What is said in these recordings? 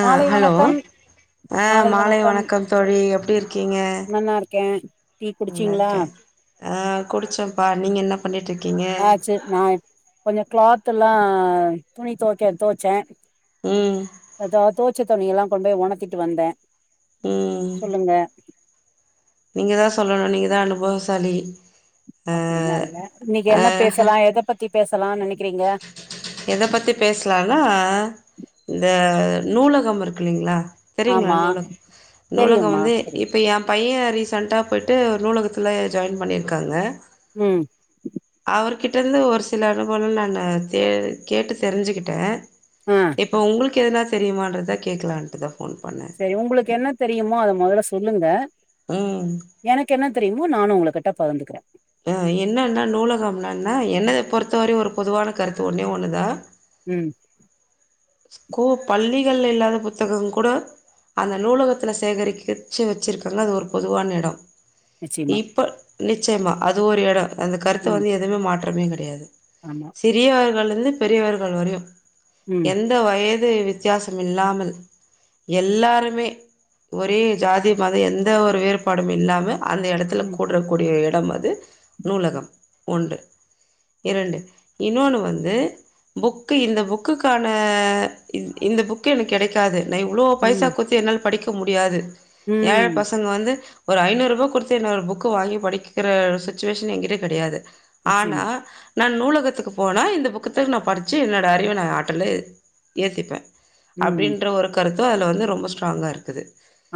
அ மாலை ஹலோ? வணக்கம் அ மாலை வணக்கம் தோழி எப்டி இருக்கீங்க? நன்னா இருக்கே டீ குடிச்சீங்களா நல்லாருக்கே. அ குடுச்சம்ப்பா. நீங்க என்ன பண்ணிட்ருக்கீங்க? ச்சு நா இப் கொஞ்சோ கிளாத்து எல்லா துணி தொவைக்க தொவைச்சே. ம். அதா தொவச்ச துணியெல்லா கொண் போய் ஒணத்திட்டு வந்தே. ம் சொல்லுங்க. நீங்க தா சொல்லணு நீங்க தா அனுபவசாலி. ஆ அப்டிலா இல்ல இன்னிக்கு ஆ என்ன பேசலா எத பத்தி பேசலா நெனைக்கிறீங்க? எத பத்தி பேசலான்னா இந்த நூலகம் இருக்குலிங்ளா? தெரியுங்ளா ஆமா நூலகம் நூலகோ தெரியுமா வந்து தெரியு இ ப்ப எ பைய ரீசெண்ட்டா போய்ட்டு ஒர் நூலகத்ல ஜாயின் பண்ணிருக்காங்க. ம். அவருகிட்ட இருந்து ஒரு சில அனுபவளா நானு கே கேட்டு தெரிஞ்சுகிட்டே. ஆ இப்ப உங்குளுக்கு எதுனா தெரியுமான்றத கேக்லான்ட்டுதா ஃபோன் பண்ணே. செரி உங்குளுக்கு என்ன தெரியுமோ அத மொதல சொல்லுங்க. ம். எனக்கு என்ன தெரியுமோ நானு உங்களுகிட்ட பகிந்துகிறே. அ என்னன்னா நூலகம்னன்னா என்னைய பொறுத்தவரையு ஒரு பொதுவான கருத்து ஒன்னே ஒன்னுதா. ம். ஸ்கூ பள்ளிகள்ல இல்லாத புத்தகங் கூடோ அந்த நூலகத்துல சேகரிக்கச்சு வெச்சிருகாங்க அது ஒரு பொதுவான எடோ. நிச்சயமா இப்ப நிச்சயமா அது ஒரு எடோ. அந்த கருத்த ம் வந்து எதுமே மாற்றமே கெடையாது. ஆமா. சிறியவர்கள்லந்து பெரியவர்கள் வரியு ம் எந்த வயது வித்தியாசம் இல்லாமல் எல்லாருமே ஒரே ஜாதி மதோ எந்த ஒரு வேறுபாடும் இல்லாம அந்த எடத்து த்ல ம் கூட்றக்கூடிய எடம் அது நூலகம் ஒன்று. இரண்டு இன்னோனு வந்து புக்கு இந்த புக்குக்கு க்கான இது இந்த புக்கு எனக் கெடைக்காது நா இவ்ளோ பைசா ம் குத்து என்னால படிக்க ட்டு முடியாது ஏழ ம் பசங்க வந்து ஒரு ஐநூரூபா கொடுத்து என்ன ஒரு புக்கு வாங்கி படிக்கிற சுச்சுவேஷன் என்கிட்ட கிடையாது ஆனா நிச்சயமா நா நூலகத்துக்கு போனா இந்த புக்கத்த நான் படிச்சு என்னோட அறிவ நா ஆட் ட்டலு ஏதிப்பே ம் அப்படின்ற ஒரு கருத்து அதுல வந்து ரொம்ப ஸ்ட்ராங்கா இருக்குது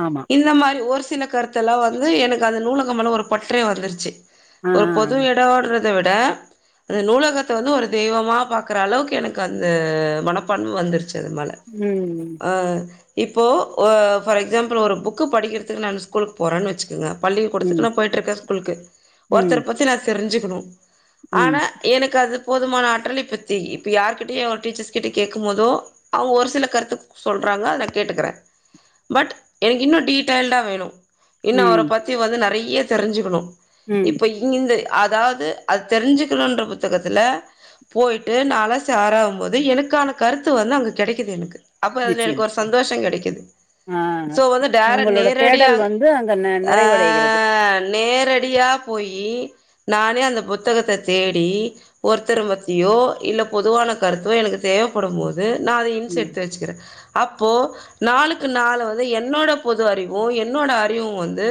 ஆமா இந்த மாரி ஒரு சில கருத்துல்லா வந்து எனக்கு அந்த நூலகமேல ஒரு பற்றரே வந்துருச்சு ஆ ஆ ஒரு பொது எடோன்ற த விட அந்த நூலகத்த வந்து ஒரு தெய்வமா பாக்கற அளவுக்கு எனக்கு அந்த அ மனப்பான்ம வந்துடுச்சு அது மேல ம் ம் அ இப்போ ஒ ஃபார் எக்ஸாம்பிள் ஒரு புக் படிக்கிறதுக்கு நானு ஸ்கூலுக்கு போகிறன்னு வச்சுக் ங்க பள்ளி கொடுத்துக்கு ம் நா போய்ட்ருக்க ஸ்கூலுக்கு ம் ஒருத்தர பத்தி நா தெரிஞ்சுக்கணு ம் ஆனா எனக்கு அது போதுமான ஆற்றல் இப்ப தெ இப்ப யார்கிட்டயு டீச்சர்ஸ் கிட்ட கேக்கும் போது அவுங்க ஒரு சில கருத்து சொல்றாங்க அத நா கேட்டுக்கற பட் எனக்கு இன்னும் டீட்டெயல்டா வேணு இன்னும் அவர ம் பத்தி வந்து நறைய தெரிஞ்சுக்கணு ம் இப்ப இங்க இந்த அதாவது அது தெரிஞ்சுக்கணுன்ற புத்தகத்துல்ல போயிட்டு நா அலசி ஆராவும் போது எனக்கான கருத்து வந்து அங்க கிடைக்குது எனக்கு அப்பற அதுல நிச்சயம் எனக்கு ஒரு சந்தோஷ கிடைக்குது ஆ சோ வந்து டேரக்ட் உங்களோட நேரடியா தேடல் வந்து அங்க நெ அ நிறைவடைகிறது. ன் நேரடியா போயி நானே அந்த புத்தகத்த தேடி ஒருத்தர பத்தியோ இல்ல பொதுவான கருத்தோ எனக்கு தேவப்படும் போது நா அத ஹின்ட்ஸ் ம் எடுத்து வச்சுக்கிற அப்போ நாளுக்கு நாள் வந்து என்னோட பொது அறிவு என்னோட அறிவு வந்து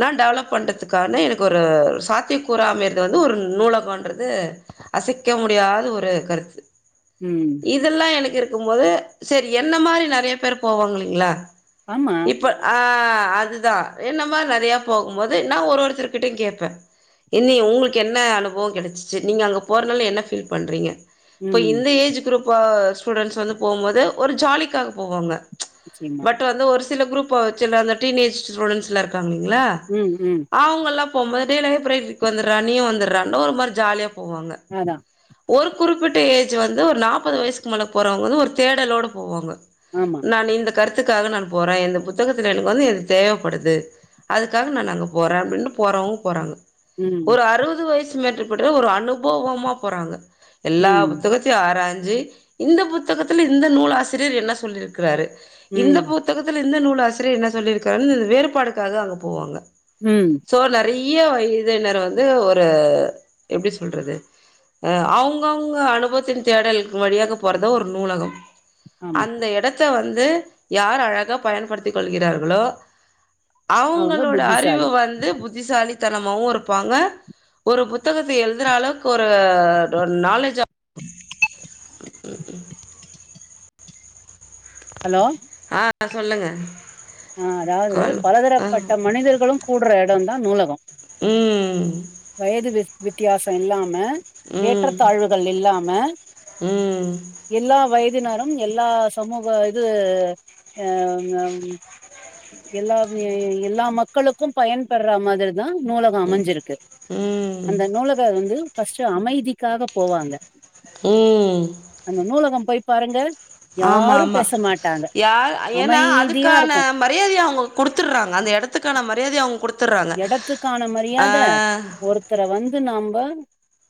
நா டெவலப் பண்றதுக்கான எனக்கு ஒரு சாத்தியக்கூறா அமையறது வந்து ஒரு நூலகோன்றது அசைக்க முடியாத ஒரு கருத்து ம் இதெல்லா எனக்கு இருக்கும் போது சரி என்ன மாரி நறைய பேர் போவாங்க இல்லைங்களா ஆமா. இப்ப ஆ அதுதா என்ன மாரி நறைய போகும்போது நா ஒரு ஒருத்தர்கிட்டயு கேப்ப இன்னி உங்களுக்கு என்ன அனுபவோ கிடச்சிச்சி நீங்க அங்க போறனால என்ன ஃபீல் பண்றீங்க இப்ப ம் இந்த ஏஜ் குரூப்ப ஸ்டூடெண்ட்ஸ் வந்து போம்போது ஒரு ஜாலிக்காக போவாங்க சரிமா அது வந்து ஒரு சில குரூப்ப வச்சுலா அந்த டீனேஜ் ஸ்டூடெண்ட்ஸ்ல இருக்காங்களீங்களா ம் ம் அவுங்கலாம் போகும்போது டே லைப்ரைரிக்கு வந்துடுறா நீயு வந்துடுறானோ ஒரு மாரி ஜாலியா போவாங்க அதா ஒரு குறிப்பிட்ட ஏஜ் வந்து ஒரு நாற்பது வயசுக்கு மேல போறவங்க வந்து ஒரு தேடலோட போவாங்க ஆமா நான்னு இந்த கருத்துக்காக நான் போற இந்த புத்தகத்தில எனக்கு வந்து இது தேவப்படுது அதுக்காக நான்னு அங்க போற அப்டின்னு போறவுங் போறாங்க ம் ஒரு அறுவது வயசு மேற்று பெற்ற ஒரு அனுபவமா போறாங்க எல்லா ம் புத்தகத் தியு ஆராஞ்சு இந்த புத்தகத்துல இந்த நூலாசிரியர் என்ன சொல்லிருக்குறாரு இந்த ம் பு த்தகத்துல இந்த நூலாசிரியர் என்ன சொல்லிருக்காருனு வேறுபாடுக்காக அங்க போவாங்க ம் சோ நெறைய்ய வ இதேநேரொ வந்து ஒரு எப்டி சொல்றது அ அவுங்கவுங்க அனுபவத்தின் தேடல்க்கு வழியாக போறதா ஒரு நூலகம் ஆமா. அந்த இடத்த வந்து யார் அழகா பயன்படுத்திக் கொள்கிறார்களோ அவங்க அவுங்களோட அறிவு புத்திசாலி. வந்து புத் புத்திசாலித்தனமாவு இருப்பாங்க ஒரு புத்தகத்த எழுதுற அளவுக் ஒரு த நாலேஜா ஹலோ ஆ சொல்லுங்க ஆ அதாது கால் ஆ பலதரப்பட்ட மனிதர்களு கூடுற எடந்தா நூலகோ ம் வயது விஸ் வித்தியாசொ இல்லாம ஏற்ற ம் தாழ்வுகள் இல்லாம ம் எல்லா வயதினரும் எல்லா சமூக இது அ அம் எல்லாபி எல்லா மக்களுக்கு பயன்படுற மாதிரி தா நூலக அமைஞ்சிருக்கு ம் அந்த நூலக வந்து ஃபர்ஸ்ட் அமைதிக்காக போவாங்க ம் அந்த நூலகம் பொய் பாருங்க ஆமா யாரும் ஆமா பேச மாட்டாங்க யார் ஏனா அமைதியா அதுக்கான இருக்கும் மரியாதைய அவுங்க குடுத்துறாங்க அந்த எடத்துக்கான மரியாதைய அவுங் குடுத் எடத்துக்கான மரியாத ஒரு க்கற வந்து நாம்ப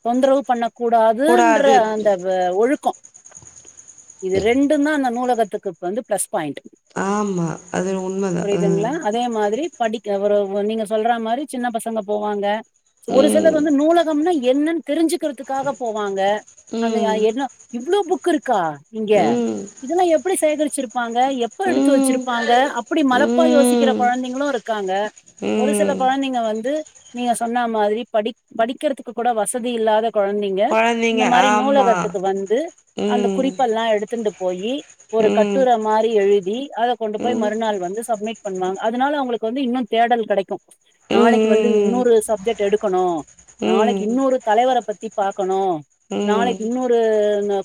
தொந்தரவு பண்ண கூடாதுன்ற கூடாது அந்த வ ஒழுக்கொ இது ரெண்டுந் தா அந்த நூலகத்துக்கு வந்து பிளஸ் பாய்ண்ட் ஆமா அது உண்மதா அ அதே மாதிரி படிக்க வரு நீங்க சொல்ற மாரி சின்ன பசங்க போவாங்க ஒரு சிலர் ம் வந்து நூல கம்னா என்னன் தெரிஞ்சுக்கிறதுக்காக போவாங்க அங்க ம் என்ன இவ்ளோ புக் இருக்கா இங்க ம் இதெல்லா எப்டி சேகரிச்சிருப் ப்பாங்க எப்ப எடுத்து ம் வச்சிருப்பாங்க அப்டி மலப்பா யோசிக்கிற ம் கொழந்தைங்களு இருக்காங்க ஒரு சில ம் கொழந்தங்க வந்து நீங்க சொன்ன மாதிரி படிக் படிக்கிறதுக் கூட வசதி இல்லாத கொழந்தைங்க இந்த கொழந்தைங்க மாரி ஆமா நூலகத்துக்கு வந்து அந்த ம் குறிப்பெல்லா எடுத்துண்டு போயி ஒரு ம் கட்டுரம் மாறி எழுதி அத கொண்டு போய் ம் மறுநாள் வந்து சப்மிட் பண்ணுவாங்க அதனால அவங்களுக்கு வந்து இன்னு தேடல் கெடைக் நாளைக்கு வந்து ம் இன்னொரு சப்ஜெட் எடுக்கணு நாளைக்கு ம் இன்னொரு தலைவர பத்தி பாக்கணு ம் ம் நாளைக்கி இன்னொரு ந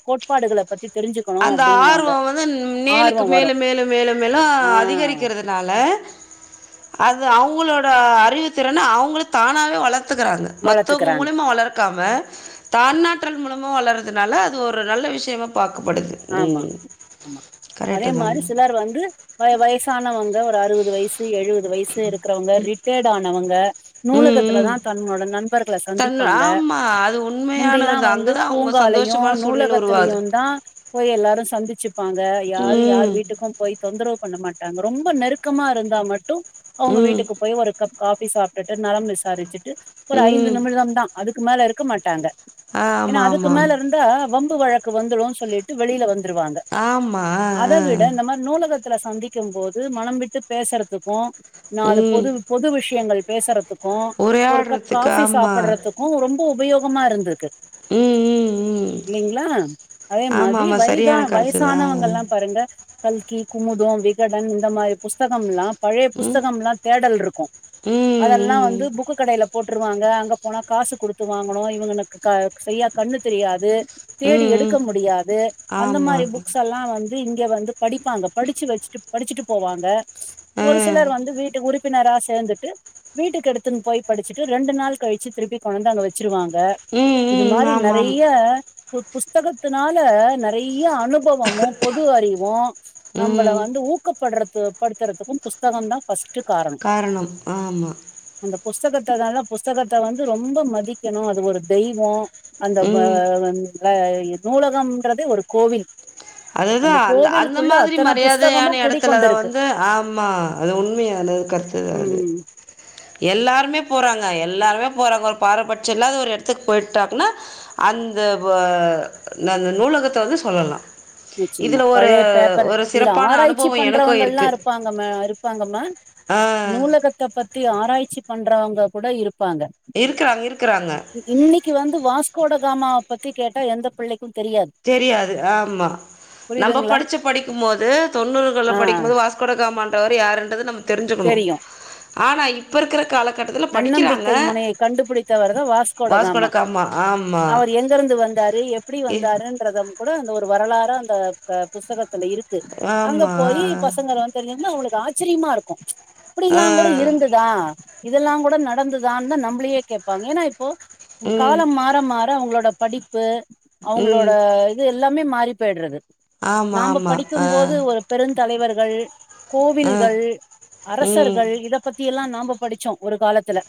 அந்த ஆர்வொ வந்து மேலுக்கு ஆர்வோ வரு மேலு மேலு மேலு மேலு ஆ அதிகரிக்கிறது நால அது அவுங்களோட அறிவுத்திறன அவங்ளே தானாவே வளத் துக்குறாங்க மத்தவங்க வளத்துக்குறாங்க மூலிமா வளர்க்காம தான்னாற்றல் மூலமா வளரதுனால அது ஒரு நல்ல விஷயமா பாக்கப்படுது ஆமா அமா அதே தாங்க மாரி சிலர் வந்து வ வயசானவங்க ஒரு அறுவது வயசு எழுவ து வயசு இருக்கிறவங்க ரிட்டைடு ஆனவங்க ம் நூலகத்துல ம் தா தன்னோட நண்பர் தன் சந்திப்பாங்க ஆமாம் அது உண்மையான முந்திலா இது வந்து அங்கே தான் அவங்க பூங்காலையு சந்தோஷமான சூழ்நிலை உருவாகுது நூலகத்துலயு தா போய் எல்லாரு சந்திச்சுப்பாங்க யாரு யார் ம் வீட்டுக்கு போய் தொந்தரவு பண்ண மாட்டாங்க ரொம்ப நெருக்கமா இருந்தா மட்டு அவங்க ம் வீட்டுக்கு போய் ஒரு கப் காஃபி சாப் டுட்டு நலம் விசாரிச்சுட்டு ஒரு ஐந்து ம் நிமிடம் தா அதுக்கு மேல இருக்க மாட்டாங்க ஏனா ஆமாம் அதுக்கு ஆமாம் மேலருந்தா வம்பு வழக்கு வந்துடுன் சொல்லிட்டு வெளில வந் துருவாங்க ஆமாம் அத ஆ விட இந்த மாரி நூலகத் துல சந்திக்கும் போது மனம் விட்டு பேசுறதுக்கூ ஆ நாலு ம் பொது பொது விஷயங்கள் பேசுறதுக் கூ ஒரு கப் உரையாடுறதுக்கு காஃபி ஆமா சாப்ட்றதுக் கூ ரொம்ப உபயோகமா இருந்துருக்கு ம் ம் ம் இல்லைங்ளா அதே மா ஆமா ரி ஆமா வயதா சரியான கருத்து தான் வயசானவங்கல்லா பாருங்க கல்கி குமுதொ விகடன் இந்த மாரி புஸ்தகம்லாம் பழைய ம் புஸ்தகம்லா தேடல்ருக்கூ ம் அதெல்லா ம் வந்து புக்கு கடைல போட்ருவாங்க அங்க போனா காசு குடுத்து வாங்கணு இவுங்கனுக்கு க சரியா கண்ணு தெரியாது தேடி ம் எடுக்க ம் முடியாது அந்த ஆமா மாரி புக்ஸ் எல்லா வந் இது இங்க வந்து படிப்பாங்க படிச்சு வச்சிட்டு படிச்சுட்டு போவாங்க ஆ ஒரு சிலர் வந்து வீட்டு உறிப் உறுப்பினரா சேந்துட்டு வீட்டுக்கு எடுத்துன் போய் படிச்சுட்டு ரெண்டு நாள் கழிச்சு திருப்பி கொண்டந்து அங்க வச் சிருவாங்க ம் இது ம் மாரி ஆமா ஆமா நெறைய பு புஸ்தகத்துனால ந நெறைய அனுபவமு பொது அறிவு நம்பள ம் வந்து ஊக் க்கபடுறது படுத்துறதுக்கு புஸ்தகோ தா ஃபஸ்ட்டு காரணோ காரணம் ஆமா அந்த புஸ்தகத்தனால புஸ்தகத்த வந்து ரொம்ப மதிக்கணு அது ஒரு தெய்வோ அந்த வ ம் அ நூலகம்ன்றதே ஒரு கோவில் அதுதா அந்த அந்த கோவில்குள்ள மாதிரி அத்தன புஸ்தகமு மரியாதையான எடத்துல அத குடிக்கொண்டிருக்கு வந்து ஆமா அது உண்மையான கருத் து அது ம் எல்லாருமே போறாங்க எல்லாருமே போறாங்க ஒரு பாரபச்சோ இல்லாத ஒரு எடத்துக்கு போய்ட்டாங்னா அந்த ப அ அந்த நூலகத்த வந்து சொல்லலா நிச்சயமா இதுல ஒரு பழைய பேப்பர் ஒரு இதுல சிறப்பான ஆராய்ச்சி அனுபவோ எனக்கூ பண்றவங்கல்லா இருக்கு இருப்பாங்க ம இருப்பாங்கம்மா ஆ நூலகத்த பத்தி ஆராய்ச்சி பண்றவங்க கூட இருப்பாங்க இருக்குறாங்க இருக்குறாங்க இ இன்னைக்கு வந்து வாஸ்கோடகாமாவ பத்தி கேட்டா எந்த பிள்ளைக்குந் தெரியாது தெரியாது ஆமா நம்ப புரியுதுங்களா படிச்ச படிக்கும்போது தொண்ணூறுகள்ல ஆ படிக்கும் போது வாஸ் கோடகாமான்றவர் யாருன்றது நம்ம தெரிஞ்சுக்குணு தெரியு ஆனா இப்ப இருக்கிற காலக் நன்னம்பிக்கை முனையை கண்டுபிடித்தவர் தா வாஸ்கோடகாமா அவுரு எங்கருந்து வந்தாரு எப்டி இ வந்தாருன் றதம் கூட அந்த ஒரு வரலாறா அந்த க புஸ்தகத்துல இருக்கு அங்க ஆமா போயி பசங்க ரன் தெரிஞ்சனா அவங்களுக்கு ஆச்சரியமா இருக்கு ஆ இப்டிலா கூட இருந்ததா இதெல்லா கூட நடந்ததான் தா நம்பளையே கேப்பாங்க ஏனா இப்போ ம் காலம் மாற மாற மாற அவங்களோட படிப்பு அவங்களோட ம் இது எல்லாமே மாறி போய்ட்றது ஆமாம் நாம்ப ஆமாம் ஆ படிக்கும் போது ஒரு பெருந்தலைவர்கள் ஆ கோவில்கள் ம் அரசர்கள் இத பத்தி எல்லா நாம்ப படிச்சோ ஒரு காலத்துல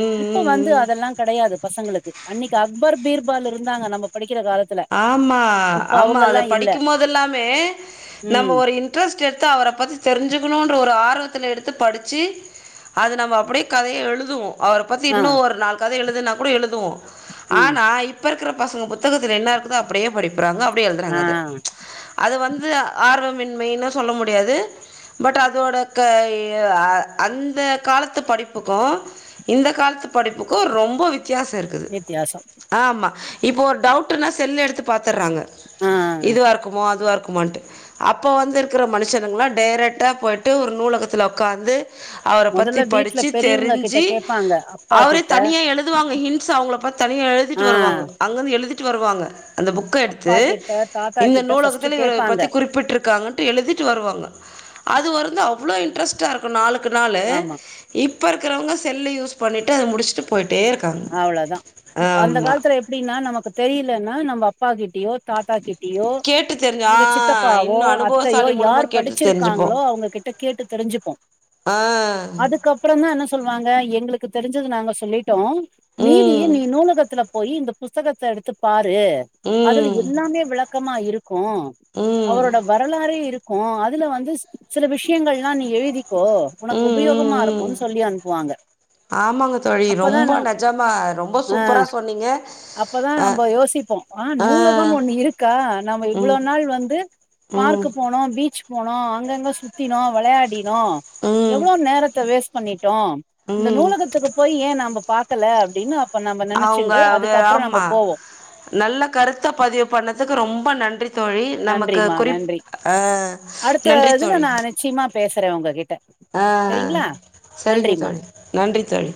ம் இப்ப ம் வந்து ம் அதெல்லா கடையாது பசங்களுக்கு அன்னைக்கு அக்பர் பீர்பால் இருந்தாங்க நம்ம படிக்கிற காலத் ஆமா ஆமா அத படிக்கும் போதெல்லாமே ம் நம்ம ஒரு இன் ட்ரெஸ்ட் எடுத்து அவர பத்தி தெரிஞ்சுக்கணுன்ற ஒரு ஆர்வத்துல எடுத்து படிச்சி அது நம்ம அப்டியே கதைய எழுதுவோ அவர பத்தி ஆ இன்னு ஒரு நாழு கத எழுதுன்னா கூட எழுதுவோ ம் ஆனா இப் ப்ப இருக்கிற பசங்க புத்தகத்துல என்ன இருக்குதோ அப்படியே படிப்புறாங்க அப்படியே ஆ எழுதுறாங்க அத அது வந்து ஆர்வமின்மைன்னு சொல்ல முடியாது பட் அதோட க அ அந்த காலத்து படிப்புக்கூ இந்த காலத்து படிப்புக்கூ ரொம்ப வித்தியாசொ இருக் குது வித்தியாசோ ஆமா இப்போ ஒரு டவுட்டுனா செல்ல எடுத்து பாத்துர்றாங்க ஆ இதுவாருக்குமோ அதுவாருக்குமாண்ட்டு அப்ப வந்து இருக்கற மனுஷனுங்கலா டேரெட்டா போய்ட்டு ஒரு நூலகத்துல உக்காந்து அவர பத்தி மொதல்ல வீட்ல படுச்சு பெரியவங்க கிட்ட தெருஞ்சு கேப்பாங்க அப்பா அவரே கிட்ட தனியா எழுதுவாங்க ஹின்ஸ் அவங்கள பத் தனியா எழுதிட்டு ஆ வருவாங்க அங்கருந்து எழுதிட்டு வருவாங்க அந்த புக்க அப்பா எடுத்து கிட்ட தாத்தா இந்த கிட்ட ஃபர்ஸ்ட் நூலகத்துல இவர கேப்பாங்க பத்தி குறிப்பிட்டிருக்காங்கன் டு எழுதிட்டு வருவாங்க அது வருந்து அவ்ளோ இன்ட்ரஸ்டா இருக்கு நாளுக்கு நாளு ஆமா இப்ப இருக்கறவங்க செல்லு யூஸ் பண்ணிட்டு அத முடுஸ்ட்டு போய்ட்டே இருக்காங்க ஆமா அப்டினா நமக்கு தெரியலன்னா நம்ம அப்பா கிட்டயோ தாத்தா கிட்டியோ கேட்டு தெரிஞ்சு ஆ இந்த சித்தப்பாவோ இன்னு அத்தயோ அனுபவசாலி மூலமா யார் கேட்டு தெரிஞ்சுப்போ படுச்சுருக்காங்களோ அவ்ங்க கிட் ட கேட்டு தெருஞ்சுப்போ ஆ கபறந்தா என்ன சொல்வாங்க எங்களுக்கு தெரிஞ்சது நாங்க சொல்லிட்டோ மீதிய ம் நீ நூலகத்துல போயி இந்த புஸ்தகத்த எடுத்து பாரு அதுல ம் எல்லாமே விளக்கமா இருக்கு ம் ம் அவரோட வரலாறே இருக்கு அதுல வந்து சில விஷயங்கள்லா நீ எழுதி க்கோ உனக்கு ம் உபயோகமா ம் இருக்கும்ன்னு சொல்லி அனுப்புவாங்க அப்பதா நா ப்பா ரொம்ப ஆ சூப்பரா சொன்னீங்க அ ப்போ ஆ நூலகோனு ஒன்னு இருக்கா நாம இவ்ளோ ம் நாள் வந்து ம் பார்க்கு போனோ பீச் போனோ அங்கங்க சுத்தினோ விளையாடினோ ம் எவ்வளோ நேரத்த வேஸ்ட் பண்ணிட்டோ இந்த ம் நூலகத்துக்கு போய் ஏ நாம பாக் க்கல அப்டின்னு அப்ப நம்ம அவங்க நெனச்சுன்டு வே அதுக்கப்பறோ நம்ம ஆமா போவோ நல்ல கருத்தா பதிவு பண்ணதுக்கு ரொம்ப நன்றி தோழி நமக்கு நன்றிமா குறி நன்றி அ அடுத்த நன்றி இதுல தோழி நா நிச்சயமா பேசுறே உங்ககிட்ட ஆ சரிங்களா சரிங்க நன்றிம்மா தோழி நன்றி தோழி